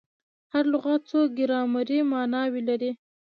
هر لغت څو ګرامري ماناوي لري.